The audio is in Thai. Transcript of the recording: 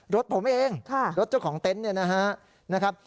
รถผมเองรถเจ้าของเต็นต์เนี่ยนะครับ